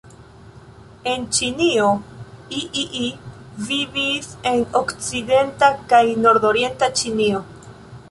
En Ĉinio iii vivis en okcidenta kaj nordorienta Ĉinio.